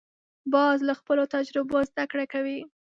باز له خپلو تجربو زده کړه کوي